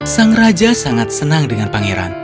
sang raja sangat senang dengan pangeran